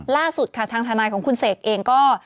ล่าสุดค่ะทางทนายของคุณเสกเองก็